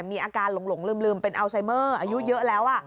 มีอาการหลงลืมเป็นอัลไซเมอร์อายุเยอะแล้ว